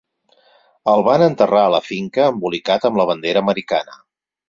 El van enterrar a la finca embolicat amb la bandera americana.